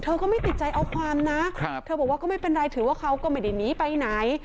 ก็ไม่ติดใจเอาความนะเธอบอกว่าก็ไม่เป็นไรถือว่าเขาก็ไม่ได้หนีไปไหน